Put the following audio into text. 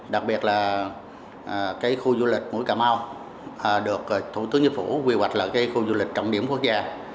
đặc biệt là khu du lịch mũi cà mau được thủ tướng chính phủ quy hoạch là khu du lịch trọng điểm quốc gia